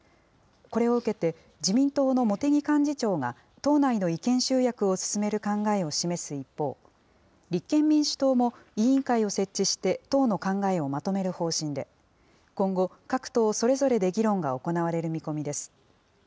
これを受けて、自民党の茂木幹事長が党内の意見集約を進める考えを示す一方、立憲民主党も委員会を設置して、党の考えをまとめる方針で、今後、各党それぞれで議論が行われる見込みです。